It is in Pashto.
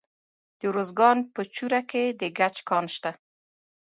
د ارزګان په چوره کې د ګچ کان شته.